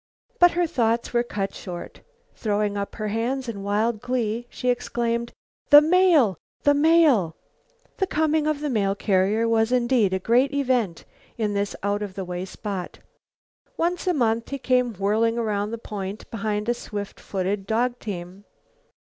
But her thoughts were cut short. Throwing up her hands in wild glee, she exclaimed: "The mail! The mail!" The coming of the mail carrier was, indeed, a great event in this out of the way spot. Once a month he came whirling around the point, behind a swift footed dog team.